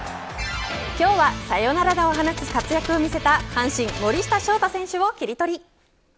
今日はサヨナラ打を放つ活躍を見せた阪神、森下翔太選手をキリトリ。